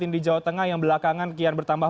di jawa tengah yang belakangan kian bertambah